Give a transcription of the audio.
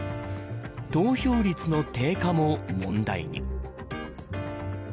投票率の低下も問題に。